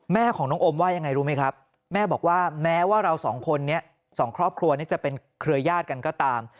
แม่ของน้องโอมว่ายังไงรู้ไหมครับแม่บอกว่าแม้ว่าเราสองคนนี้สองครอบครัวนี้จะเป็นเครือยาศกันก็ตาม